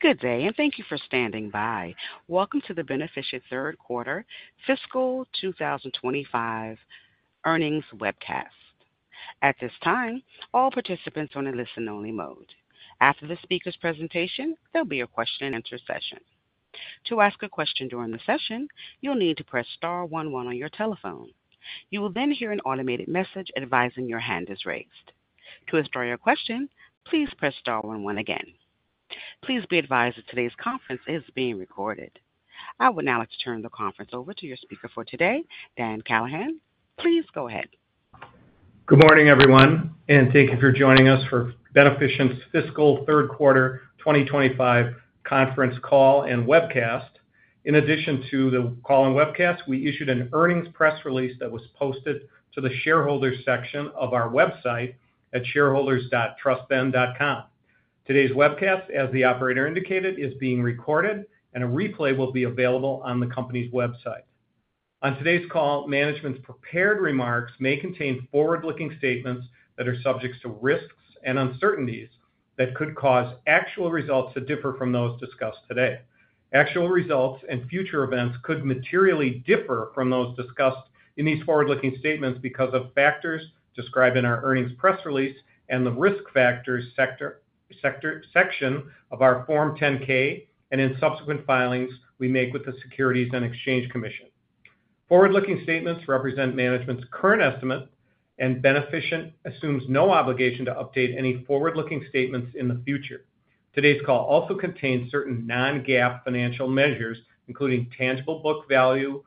Good day, and thank you for standing by. Welcome to the Beneficient Third Quarter Fiscal 2025 Earnings Webcast. At this time, all participants are on a listen-only mode. After the speaker's presentation, there'll be a question-and-answer session. To ask a question during the session, you'll need to press star 11 on your telephone. You will then hear an automated message advising your hand is raised. To start your question, please press star 11 again. Please be advised that today's conference is being recorded. I would now like to turn the conference over to your speaker for today, Dan Callahan. Please go ahead. Good morning, everyone, and thank you for joining us for Beneficient's Fiscal Third Quarter 2025 Conference Call and Webcast. In addition to the call and webcast, we issued an earnings press release that was posted to the shareholders' section of our website at shareholders.trustben.com. Today's webcast, as the operator indicated, is being recorded, and a replay will be available on the company's website. On today's call, management's prepared remarks may contain forward-looking statements that are subject to risks and uncertainties that could cause actual results to differ from those discussed today. Actual results and future events could materially differ from those discussed in these forward-looking statements because of factors described in our earnings press release and the risk factors section of our Form 10-K and in subsequent filings we make with the Securities and Exchange Commission. Forward-looking statements represent management's current estimate, and Beneficient assumes no obligation to update any forward-looking statements in the future. Today's call also contains certain non-GAAP financial measures, including tangible book value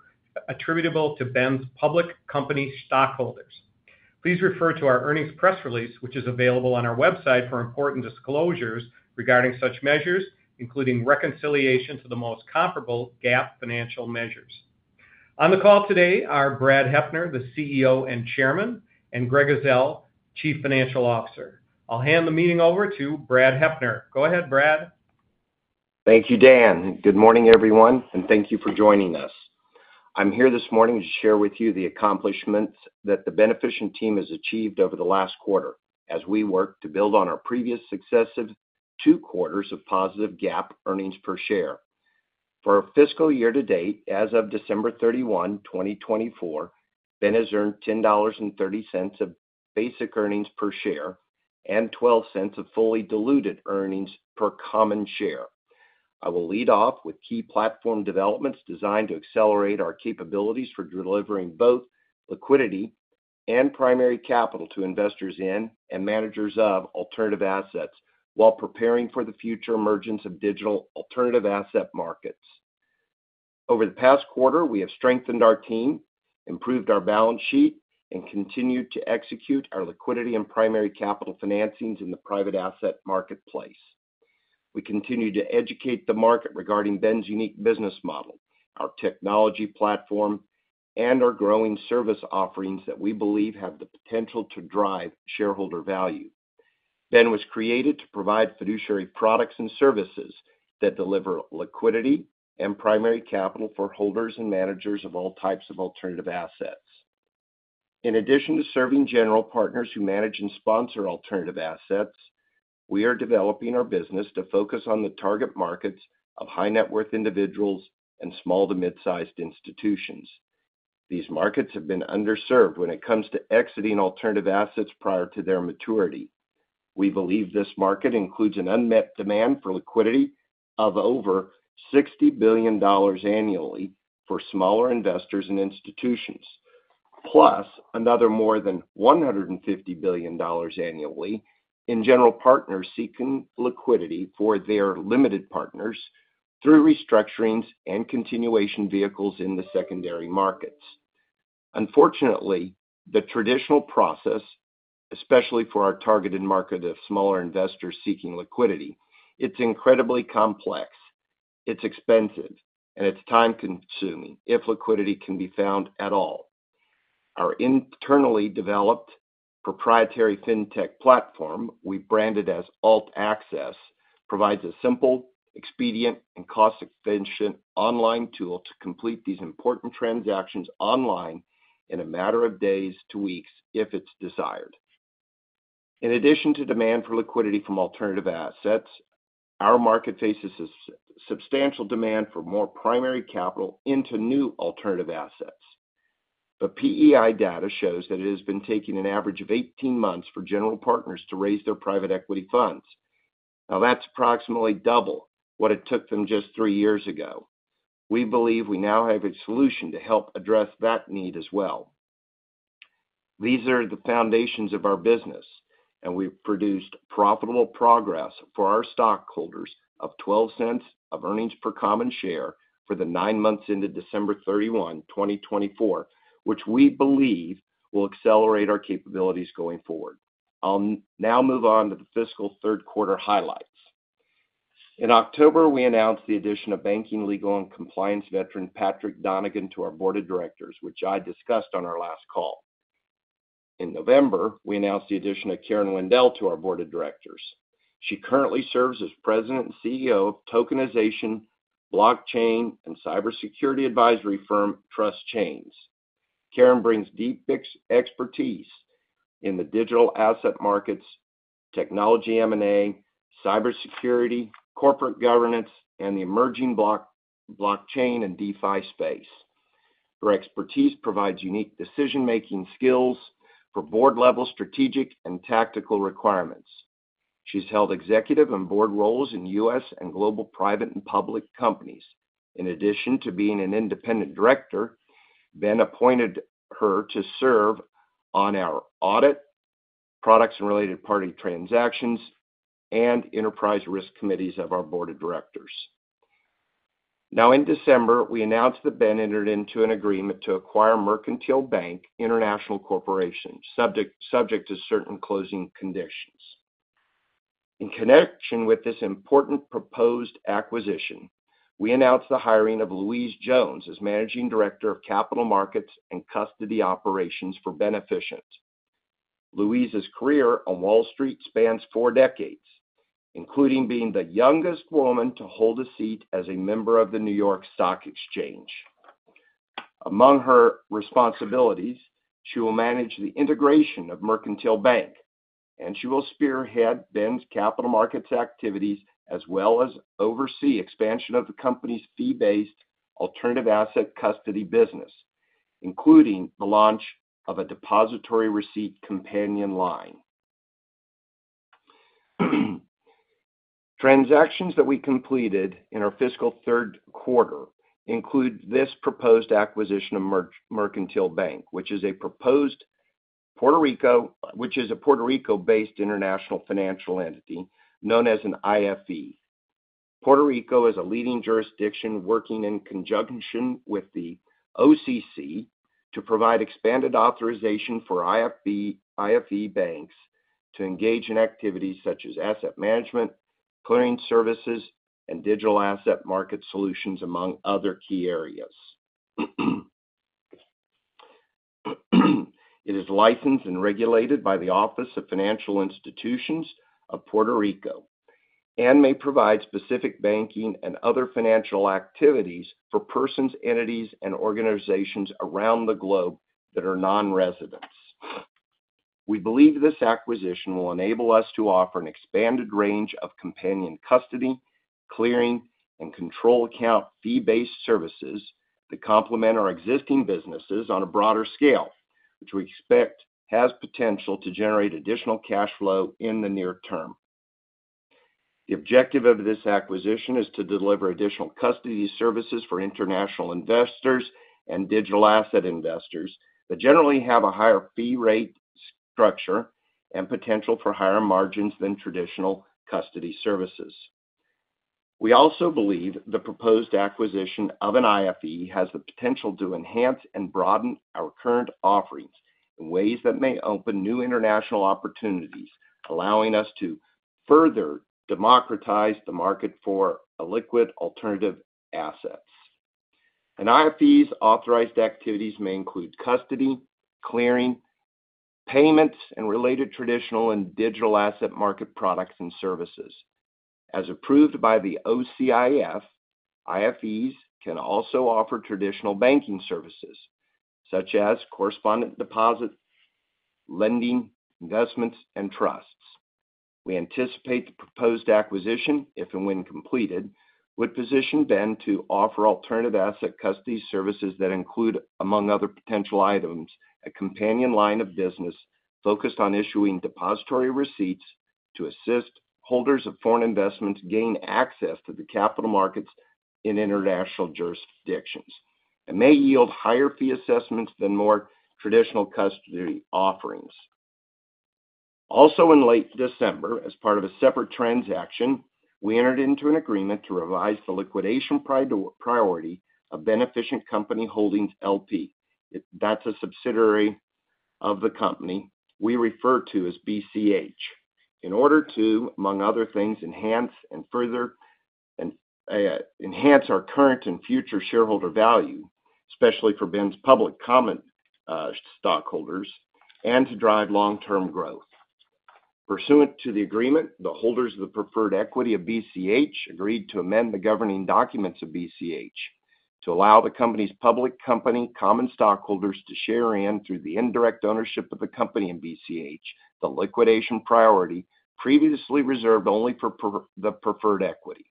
attributable to Ben's public company stockholders. Please refer to our earnings press release, which is available on our website, for important disclosures regarding such measures, including reconciliation to the most comparable GAAP financial measures. On the call today are Brad Heppner, the CEO and Chairman, and Greg Ezell, Chief Financial Officer. I'll hand the meeting over to Brad Heppner. Go ahead, Brad. Thank you, Dan. Good morning, everyone, and thank you for joining us. I'm here this morning to share with you the accomplishments that the Beneficient team has achieved over the last quarter as we work to build on our previous successive two quarters of positive GAAP earnings per share. For our fiscal year to date, as of December 31, 2024, Ben has earned $10.30 of basic earnings per share and $0.12 of fully diluted earnings per common share. I will lead off with key platform developments designed to accelerate our capabilities for delivering both liquidity and primary capital to investors in and managers of alternative assets while preparing for the future emergence of digital alternative asset markets. Over the past quarter, we have strengthened our team, improved our balance sheet, and continued to execute our liquidity and primary capital financings in the private asset marketplace. We continue to educate the market regarding Ben's unique business model, our technology platform, and our growing service offerings that we believe have the potential to drive shareholder value. Ben was created to provide fiduciary products and services that deliver liquidity and primary capital for holders and managers of all types of alternative assets. In addition to serving general partners who manage and sponsor alternative assets, we are developing our business to focus on the target markets of high-net-worth individuals and small to mid-sized institutions. These markets have been underserved when it comes to exiting alternative assets prior to their maturity. We believe this market includes an unmet demand for liquidity of over $60 billion annually for smaller investors and institutions, plus another more than $150 billion annually in general partners seeking liquidity for their limited partners through restructurings and continuation vehicles in the secondary markets. Unfortunately, the traditional process, especially for our targeted market of smaller investors seeking liquidity, is incredibly complex, expensive, and time-consuming if liquidity can be found at all. Our internally developed proprietary fintech platform, we branded as AltAccess, provides a simple, expedient, and cost-efficient online tool to complete these important transactions online in a matter of days to weeks if it's desired. In addition to demand for liquidity from alternative assets, our market faces substantial demand for more primary capital into new alternative assets. The PEI data shows that it has been taking an average of 18 months for general partners to raise their private equity funds. Now, that's approximately double what it took them just three years ago. We believe we now have a solution to help address that need as well. These are the foundations of our business, and we've produced profitable progress for our stockholders of $0.12 of earnings per common share for the nine months into December 31, 2024, which we believe will accelerate our capabilities going forward. I'll now move on to the fiscal third quarter highlights. In October, we announced the addition of banking legal and compliance veteran Patrick Donegan to our board of directors, which I discussed on our last call. In November, we announced the addition of Karen Wendel to our board of directors. She currently serves as President and CEO of tokenization, blockchain, and cybersecurity advisory firm TrustChains. Karen brings deep expertise in the digital asset markets, technology M&A, cybersecurity, corporate governance, and the emerging blockchain and DeFi space. Her expertise provides unique decision-making skills for board-level strategic and tactical requirements. She's held executive and board roles in U.S. and global private and public companies. In addition to being an independent director, Ben appointed her to serve on our Audit, Products and Related Party Transactions, and Enterprise Risk Committees of our board of directors. In December, we announced that Ben entered into an agreement to acquire Mercantile Bank International Corporation, subject to certain closing conditions. In connection with this important proposed acquisition, we announced the hiring of Louise Jones as Managing Director of Capital Markets and Custody Operations for Beneficient. Louise's career on Wall Street spans four decades, including being the youngest woman to hold a seat as a member of the New York Stock Exchange. Among her responsibilities, she will manage the integration of Mercantile Bank, and she will spearhead Ben's capital markets activities as well as oversee the expansion of the company's fee-based alternative asset custody business, including the launch of a depository receipt companion line. Transactions that we completed in our fiscal third quarter include this proposed acquisition of Mercantile Bank International Corporation, which is a Puerto Rico-based International Financial Entity known as an IFE. Puerto Rico is a leading jurisdiction working in conjunction with the OCC to provide expanded authorization for IFE banks to engage in activities such as asset management, clearing services, and digital asset market solutions, among other key areas. It is licensed and regulated by the Office of Financial Institutions of Puerto Rico and may provide specific banking and other financial activities for persons, entities, and organizations around the globe that are non-residents. We believe this acquisition will enable us to offer an expanded range of companion custody, clearing, and control account fee-based services that complement our existing businesses on a broader scale, which we expect has potential to generate additional cash flow in the near term. The objective of this acquisition is to deliver additional custody services for international investors and digital asset investors that generally have a higher fee rate structure and potential for higher margins than traditional custody services. We also believe the proposed acquisition of an IFE has the potential to enhance and broaden our current offerings in ways that may open new international opportunities, allowing us to further democratize the market for illiquid alternative assets. An IFE's authorized activities may include custody, clearing, payments, and related traditional and digital asset market products and services. As approved by the OCIF, IFEs can also offer traditional banking services such as correspondent deposits, lending, investments, and trusts. We anticipate the proposed acquisition, if and when completed, would position Ben to offer alternative asset custody services that include, among other potential items, a companion line of business focused on issuing depository receipts to assist holders of foreign investments gain access to the capital markets in international jurisdictions and may yield higher fee assessments than more traditional custody offerings. Also, in late December, as part of a separate transaction, we entered into an agreement to revise the liquidation priority of Beneficient Company Holdings LP. That's a subsidiary of the company we refer to as BCH, in order to, among other things, enhance and further enhance our current and future shareholder value, especially for Ben's public common stockholders, and to drive long-term growth. Pursuant to the agreement, the holders of the preferred equity of BCH agreed to amend the governing documents of BCH to allow the company's public company common stockholders to share in, through the indirect ownership of the company in BCH, the liquidation priority previously reserved only for the preferred equity.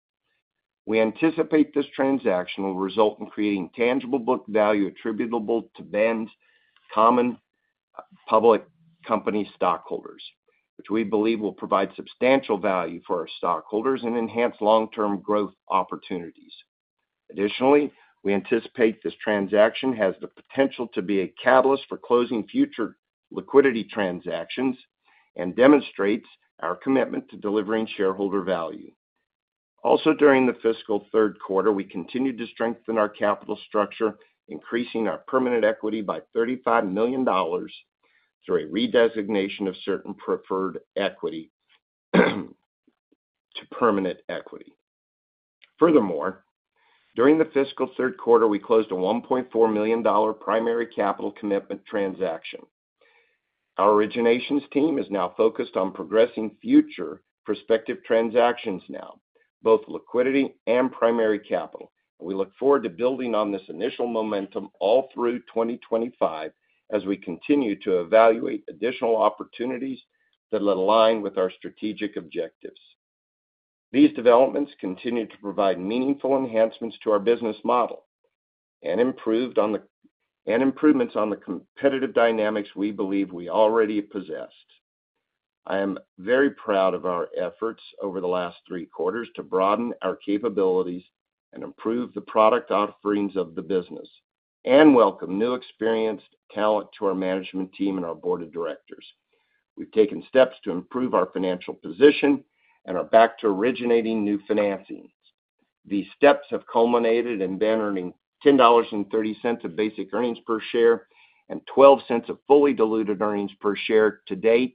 We anticipate this transaction will result in creating tangible book value attributable to Beneficient's common public company stockholders, which we believe will provide substantial value for our stockholders and enhance long-term growth opportunities. Additionally, we anticipate this transaction has the potential to be a catalyst for closing future liquidity transactions and demonstrates our commitment to delivering shareholder value. Also, during the fiscal third quarter, we continued to strengthen our capital structure, increasing our permanent equity by $35 million through a redesignation of certain preferred equity to permanent equity. Furthermore, during the fiscal third quarter, we closed a $1.4 million primary capital commitment transaction. Our originations team is now focused on progressing future prospective transactions now, both liquidity and primary capital. We look forward to building on this initial momentum all through 2025 as we continue to evaluate additional opportunities that align with our strategic objectives. These developments continue to provide meaningful enhancements to our business model and improvements on the competitive dynamics we believe we already possessed. I am very proud of our efforts over the last three quarters to broaden our capabilities and improve the product offerings of the business and welcome new experienced talent to our management team and our board of directors. We've taken steps to improve our financial position and are back to originating new financing. These steps have culminated in Ben earning $10.30 of basic earnings per share and $0.12 of fully diluted earnings per share to date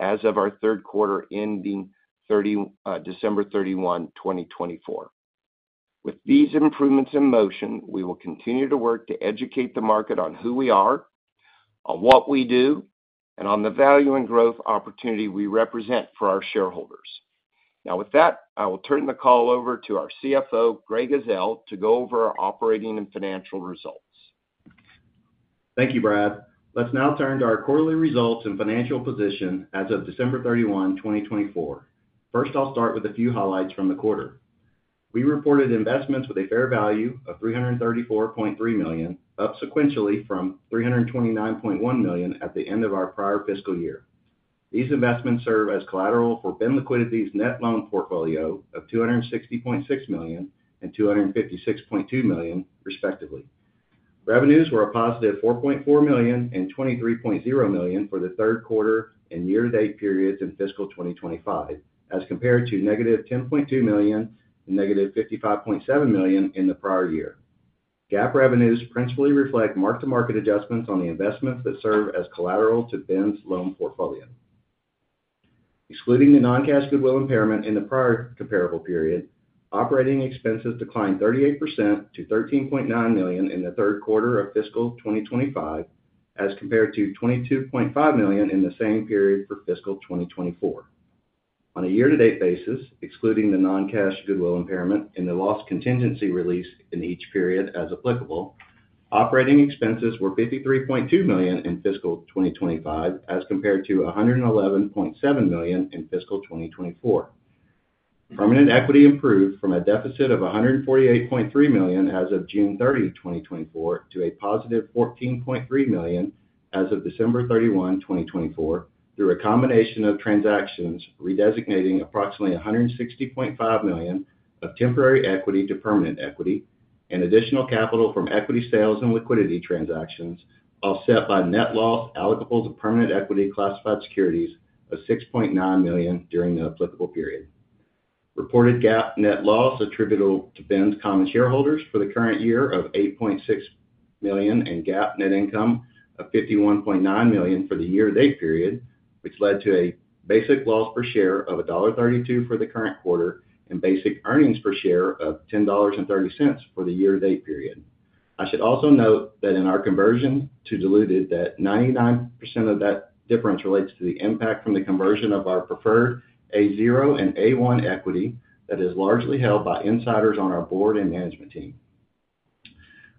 as of our third quarter ending December 31, 2024. With these improvements in motion, we will continue to work to educate the market on who we are, on what we do, and on the value and growth opportunity we represent for our shareholders. Now, with that, I will turn the call over to our CFO, Greg Ezell, to go over our operating and financial results. Thank you, Brad. Let's now turn to our quarterly results and financial position as of December 31, 2024. First, I'll start with a few highlights from the quarter. We reported investments with a fair value of $334.3 million, up sequentially from $329.1 million at the end of our prior fiscal year. These investments serve as collateral for Beneficient's net loan portfolio of $260.6 million and $256.2 million, respectively. Revenues were a positive $4.4 million and $23.0 million for the third quarter and year-to-date periods in fiscal 2025, as compared to negative $10.2 million and negative $55.7 million in the prior year. GAAP revenues principally reflect mark-to-market adjustments on the investments that serve as collateral to Beneficient's loan portfolio. Excluding the non-cash goodwill impairment in the prior comparable period, operating expenses declined 38% to $13.9 million in the third quarter of fiscal 2025, as compared to $22.5 million in the same period for fiscal 2024. On a year-to-date basis, excluding the non-cash goodwill impairment and the loss contingency release in each period as applicable, operating expenses were $53.2 million in fiscal 2025, as compared to $111.7 million in fiscal 2024. Permanent equity improved from a deficit of $148.3 million as of June 30, 2024, to a positive $14.3 million as of December 31, 2024, through a combination of transactions redesignating approximately $160.5 million of temporary equity to permanent equity and additional capital from equity sales and liquidity transactions, offset by net loss allocable to permanent equity classified securities of $6.9 million during the applicable period. Reported GAAP net loss attributable to Beneficient's common shareholders for the current year of $8.6 million and GAAP net income of $51.9 million for the year-to-date period, which led to a basic loss per share of $1.32 for the current quarter and basic earnings per share of $10.30 for the year-to-date period. I should also note that in our conversion to diluted, that 99% of that difference relates to the impact from the conversion of our preferred A-0 and A-1 equity that is largely held by insiders on our board and management team.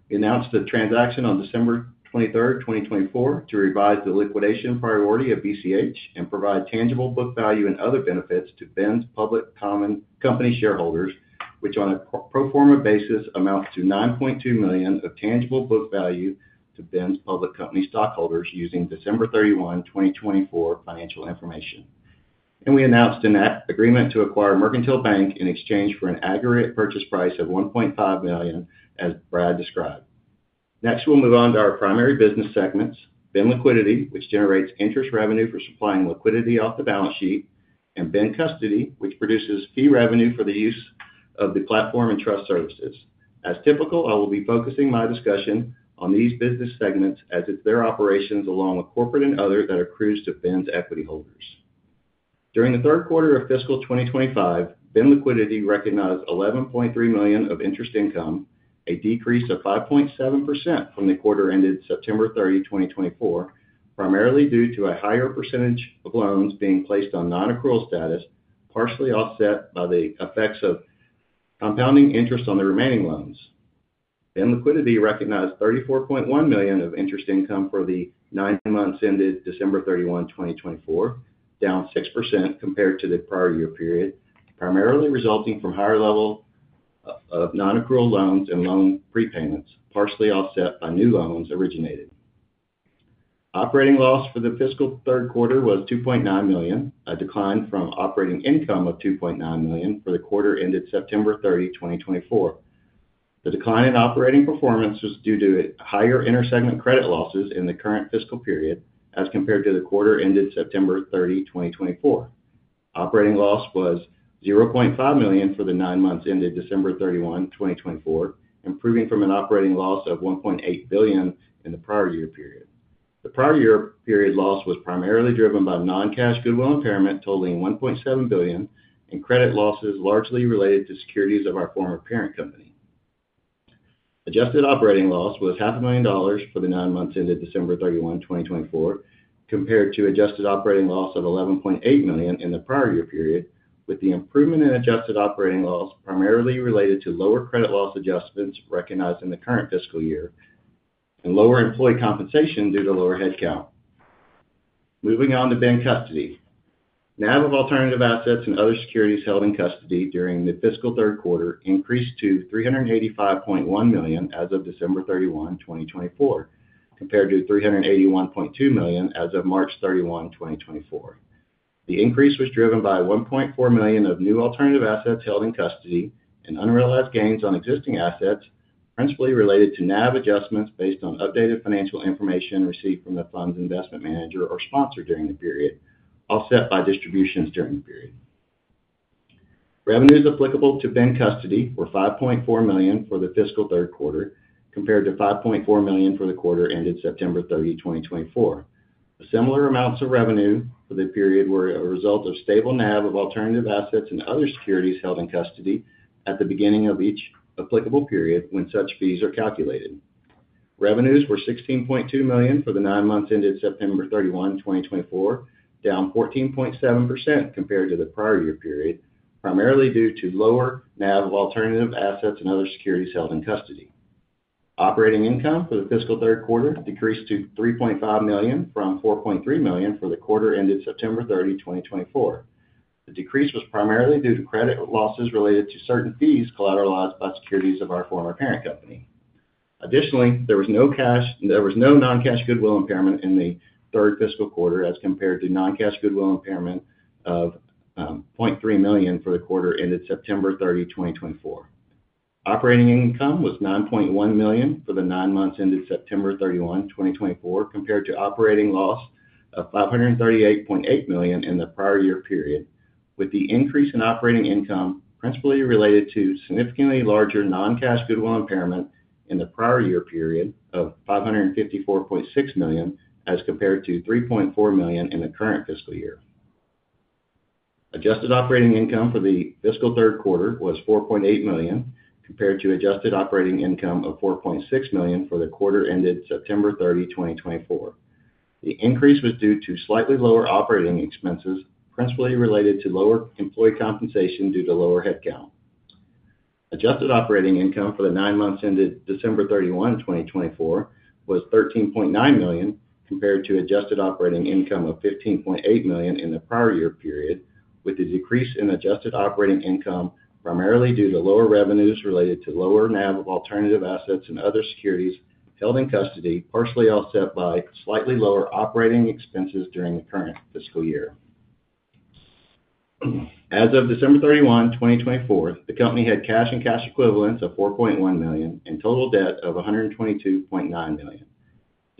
We announced the transaction on December 23, 2024, to revise the liquidation priority of BCH and provide tangible book value and other benefits to Ben's public company shareholders, which on a pro forma basis amounts to $9.2 million of tangible book value to Ben's public company stockholders using December 31, 2024, financial information. We announced an agreement to acquire Mercantile Bank in exchange for an aggregate purchase price of $1.5 million, as Brad described. Next, we'll move on to our primary business segments: Ben Liquidity, which generates interest revenue for supplying liquidity off the balance sheet, and Ben Custody, which produces fee revenue for the use of the platform and trust services. As typical, I will be focusing my discussion on these business segments as it's their operations along with corporate and others that accrues to Ben's equity holders. During the third quarter of fiscal 2025, Ben Liquidity recognized $11.3 million of interest income, a decrease of 5.7% from the quarter ended September 30, 2024, primarily due to a higher percentage of loans being placed on non-accrual status, partially offset by the effects of compounding interest on the remaining loans. Beneficient recognized $34.1 million of interest income for the nine months ended December 31, 2024, down 6% compared to the prior year period, primarily resulting from higher level of non-accrual loans and loan prepayments, partially offset by new loans originated. Operating loss for the fiscal third quarter was $2.9 million, a decline from operating income of $2.9 million for the quarter ended September 30, 2024. The decline in operating performance was due to higher intersegment credit losses in the current fiscal period as compared to the quarter ended September 30, 2024. Operating loss was $0.5 million for the nine months ended December 31, 2024, improving from an operating loss of $1.8 billion in the prior year period. The prior year period loss was primarily driven by non-cash goodwill impairment totaling $1.7 billion and credit losses largely related to securities of our former parent company. Adjusted operating loss was $500,000 for the nine months ended December 31, 2024, compared to adjusted operating loss of $11.8 million in the prior year period, with the improvement in adjusted operating loss primarily related to lower credit loss adjustments recognized in the current fiscal year and lower employee compensation due to lower headcount. Moving on to Ben Custody. NAV of alternative assets and other securities held in custody during the fiscal third quarter increased to $385.1 million as of December 31, 2024, compared to $381.2 million as of March 31, 2024. The increase was driven by $1.4 million of new alternative assets held in custody and unrealized gains on existing assets, principally related to NAV adjustments based on updated financial information received from the funds investment manager or sponsor during the period, offset by distributions during the period. Revenues applicable to Ben Custody were $5.4 million for the fiscal third quarter, compared to $5.4 million for the quarter ended September 30, 2024. Similar amounts of revenue for the period were a result of stable NAV of alternative assets and other securities held in custody at the beginning of each applicable period when such fees are calculated. Revenues were $16.2 million for the nine months ended September 31, 2024, down 14.7% compared to the prior year period, primarily due to lower NAV of alternative assets and other securities held in custody. Operating income for the fiscal third quarter decreased to $3.5 million from $4.3 million for the quarter ended September 30, 2024. The decrease was primarily due to credit losses related to certain fees collateralized by securities of our former parent company. Additionally, there was no non-cash goodwill impairment in the third fiscal quarter as compared to non-cash goodwill impairment of $0.3 million for the quarter ended September 30, 2024. Operating income was $9.1 million for the nine months ended September 31, 2024, compared to operating loss of $538.8 million in the prior year period, with the increase in operating income principally related to significantly larger non-cash goodwill impairment in the prior year period of $554.6 million as compared to $3.4 million in the current fiscal year. Adjusted operating income for the fiscal third quarter was $4.8 million compared to adjusted operating income of $4.6 million for the quarter ended September 30, 2024. The increase was due to slightly lower operating expenses, principally related to lower employee compensation due to lower headcount. Adjusted operating income for the nine months ended December 31, 2024, was $13.9 million compared to adjusted operating income of $15.8 million in the prior year period, with the decrease in adjusted operating income primarily due to lower revenues related to lower NAV of alternative assets and other securities held in custody, partially offset by slightly lower operating expenses during the current fiscal year. As of December 31, 2024, the company had cash and cash equivalents of $4.1 million and total debt of $122.9 million.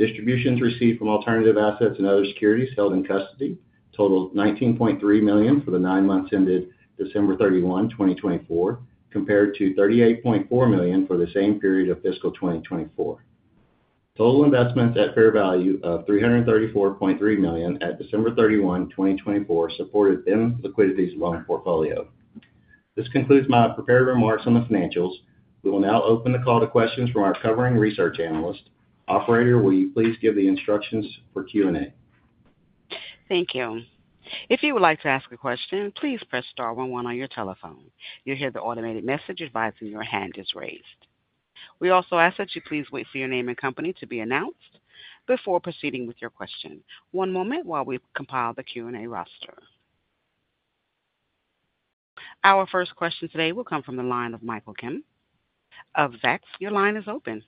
Distributions received from alternative assets and other securities held in custody totaled $19.3 million for the nine months ended December 31, 2024, compared to $38.4 million for the same period of fiscal 2024. Total investments at fair value of $334.3 million at December 31, 2024, supported Beneficient's loan portfolio. This concludes my prepared remarks on the financials. We will now open the call to questions from our covering research analyst. Operator, will you please give the instructions for Q&A? Thank you. If you would like to ask a question, please press star 11 on your telephone. You'll hear the automated message advising your hand is raised. We also ask that you please wait for your name and company to be announced before proceeding with your question. One moment while we compile the Q&A roster. Our first question today will come from the line of Michael Kim of Zacks. Your line is open.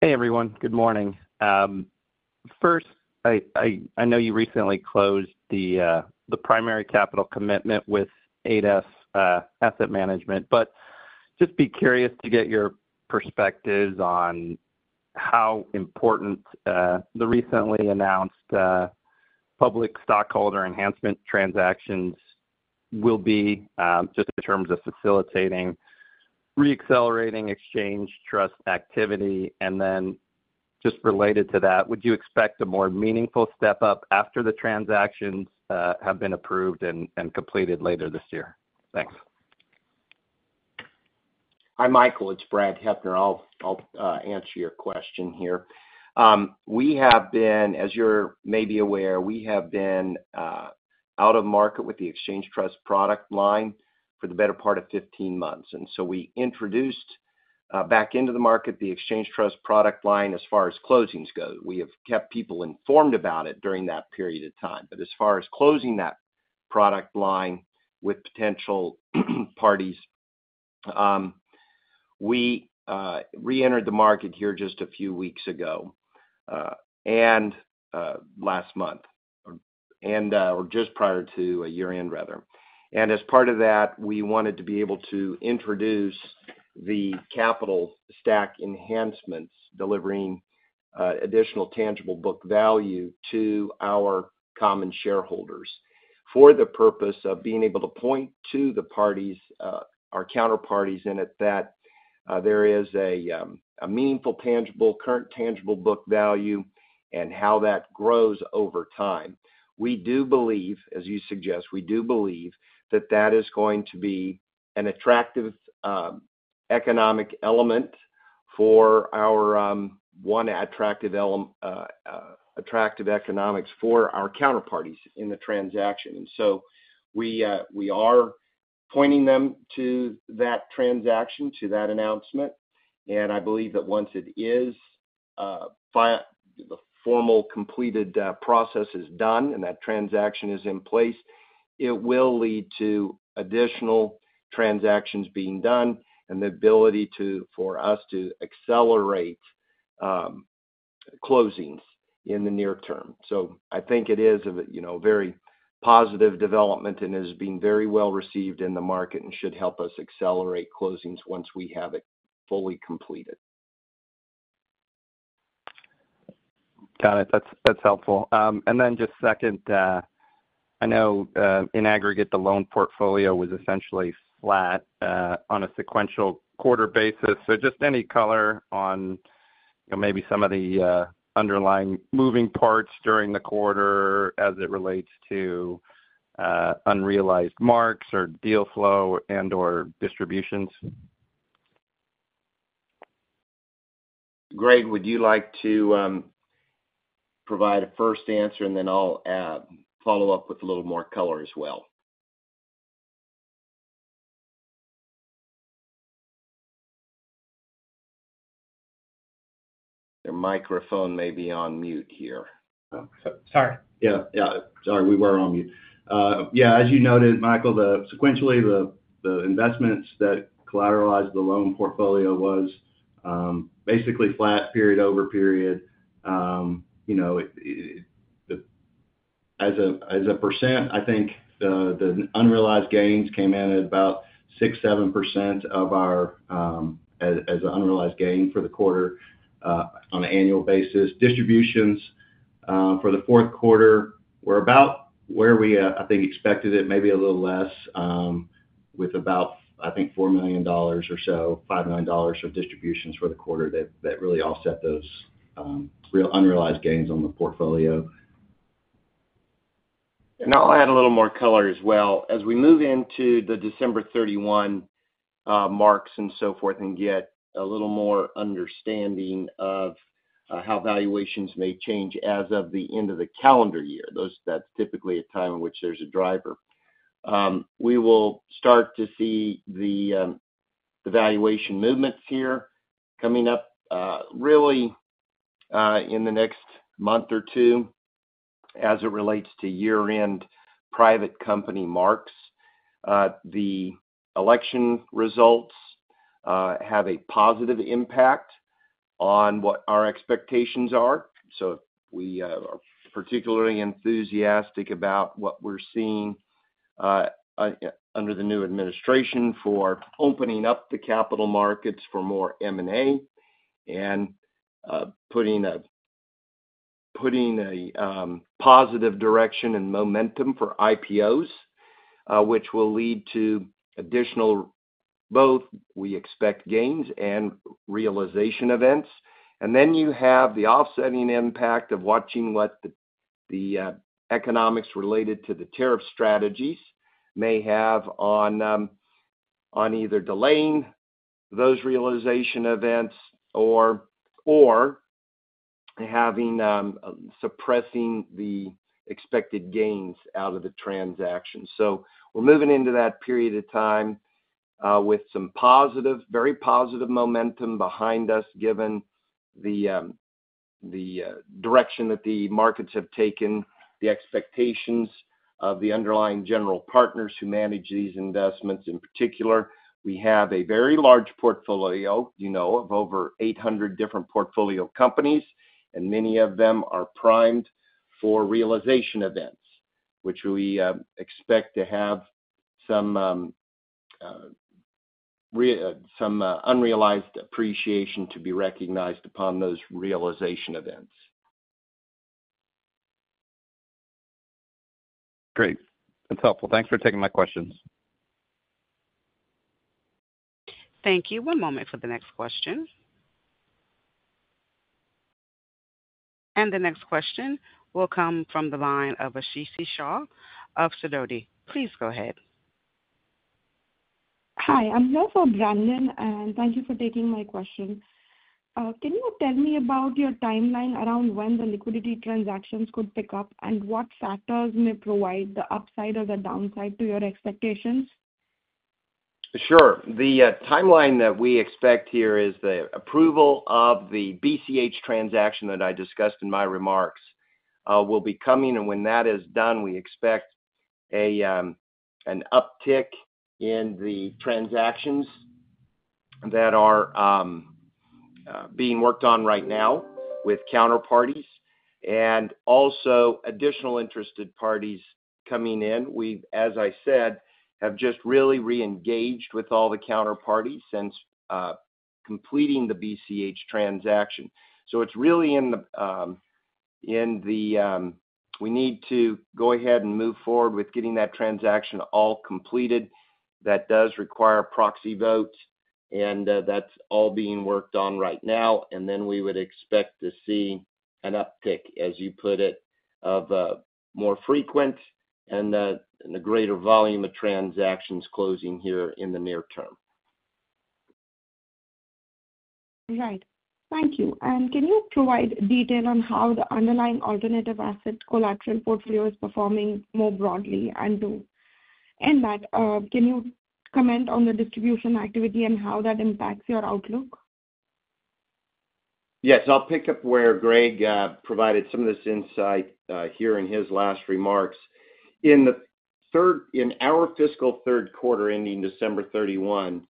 Hey, everyone. Good morning. First, I know you recently closed the primary capital commitment with Ades Asset Management, but just be curious to get your perspectives on how important the recently announced public stockholder enhancement transactions will be just in terms of facilitating re-accelerating ExChange Trust activity. Just related to that, would you expect a more meaningful step up after the transactions have been approved and completed later this year? Thanks. Hi, Michael. It's Brad Heppner. I'll answer your question here. We have been, as you're maybe aware, we have been out of market with the ExChange Trust product line for the better part of 15 months. We introduced back into the market the ExChange Trust product line as far as closings go. We have kept people informed about it during that period of time. As far as closing that product line with potential parties, we re-entered the market here just a few weeks ago and last month or just prior to year-end, rather. As part of that, we wanted to be able to introduce the capital stack enhancements, delivering additional tangible book value to our common shareholders for the purpose of being able to point to our counterparties in it that there is a meaningful current tangible book value and how that grows over time. We do believe, as you suggest, we do believe that that is going to be an attractive economic element for our counterparties in the transaction. We are pointing them to that transaction, to that announcement. I believe that once the formal completed process is done and that transaction is in place, it will lead to additional transactions being done and the ability for us to accelerate closings in the near term. I think it is a very positive development and is being very well received in the market and should help us accelerate closings once we have it fully completed. Got it. That's helpful. Just second, I know in aggregate the loan portfolio was essentially flat on a sequential quarter basis. Just any color on maybe some of the underlying moving parts during the quarter as it relates to unrealized marks or deal flow and/or distributions. Greg, would you like to provide a first answer and then I'll follow up with a little more color as well? Your microphone may be on mute here. Sorry. Yeah. Sorry. We were on mute. Yeah. As you noted, Michael, sequentially, the investments that collateralized the loan portfolio was basically flat period over period. As a percent, I think the unrealized gains came in at about 6%-7% of our as an unrealized gain for the quarter on an annual basis. Distributions for the fourth quarter were about where we, I think, expected it, maybe a little less, with about, I think, $4 million or so, $5 million of distributions for the quarter that really offset those unrealized gains on the portfolio. I'll add a little more color as well. As we move into the December 31 marks and so forth and get a little more understanding of how valuations may change as of the end of the calendar year, that's typically a time in which there's a driver, we will start to see the valuation movements here coming up really in the next month or two as it relates to year-end private company marks. The election results have a positive impact on what our expectations are. We are particularly enthusiastic about what we're seeing under the new administration for opening up the capital markets for more M&A and putting a positive direction and momentum for IPOs, which will lead to additional both we expect gains and realization events. You have the offsetting impact of watching what the economics related to the tariff strategies may have on either delaying those realization events or having suppressing the expected gains out of the transaction. We are moving into that period of time with some very positive momentum behind us given the direction that the markets have taken, the expectations of the underlying general partners who manage these investments. In particular, we have a very large portfolio of over 800 different portfolio companies, and many of them are primed for realization events, which we expect to have some unrealized appreciation to be recognized upon those realization events. Great. That's helpful. Thanks for taking my questions. Thank you. One moment for the next question. The next question will come from the line of Aashee Singh of D.E. Shaw. Please go ahead. Hi. I'm here for Brad, and thank you for taking my question. Can you tell me about your timeline around when the liquidity transactions could pick up and what factors may provide the upside or the downside to your expectations? Sure. The timeline that we expect here is the approval of the BCH transaction that I discussed in my remarks will be coming. When that is done, we expect an uptick in the transactions that are being worked on right now with counterparties and also additional interested parties coming in. We, as I said, have just really re-engaged with all the counterparties since completing the BCH transaction. It is really in the we need to go ahead and move forward with getting that transaction all completed. That does require proxy votes, and that is all being worked on right now. We would expect to see an uptick, as you put it, of more frequent and a greater volume of transactions closing here in the near term. Right. Thank you. Can you provide detail on how the underlying alternative asset collateral portfolio is performing more broadly? To end that, can you comment on the distribution activity and how that impacts your outlook? Yes. I'll pick up where Greg provided some of this insight here in his last remarks. In our fiscal third quarter ending December 31,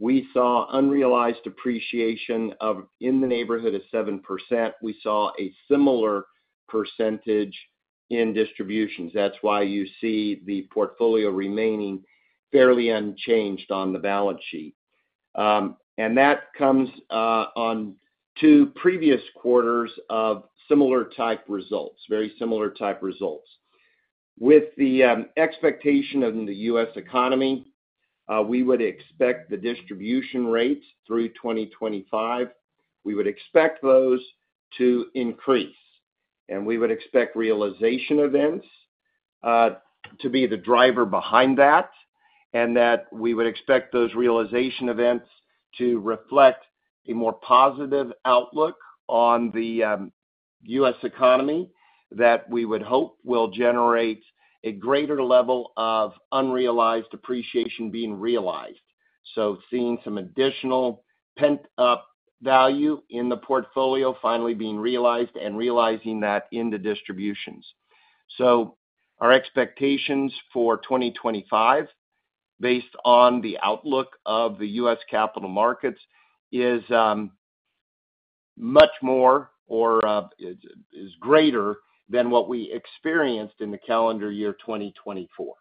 we saw unrealized appreciation in the neighborhood of 7%. We saw a similar percentage in distributions. That is why you see the portfolio remaining fairly unchanged on the balance sheet. That comes on two previous quarters of similar type results, very similar type results. With the expectation in the U.S. economy, we would expect the distribution rates through 2025. We would expect those to increase. We would expect realization events to be the driver behind that and that we would expect those realization events to reflect a more positive outlook on the U.S. economy that we would hope will generate a greater level of unrealized appreciation being realized. Seeing some additional pent-up value in the portfolio finally being realized and realizing that in the distributions. Our expectations for 2025, based on the outlook of the U.S. capital markets, is much more or is greater than what we experienced in the calendar year 2024.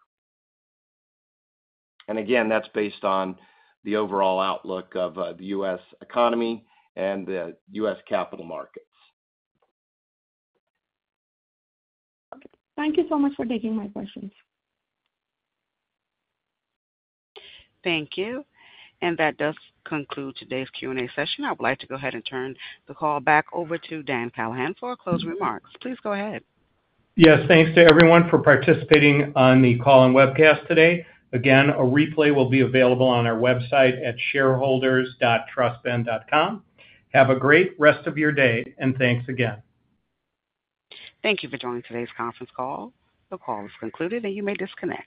Again, that's based on the overall outlook of the U.S. economy and the U.S. capital markets. Thank you so much for taking my questions. Thank you. That does conclude today's Q&A session. I would like to go ahead and turn the call back over to Dan Callahan for closing remarks. Please go ahead. Yes. Thanks to everyone for participating on the call and webcast today. Again, a replay will be available on our website at shareholders.trustben.com. Have a great rest of your day. Thanks again. Thank you for joining today's conference call. The call is concluded, and you may disconnect.